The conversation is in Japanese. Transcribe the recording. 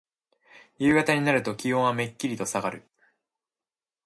夕方になると気温はめっきりとさがる。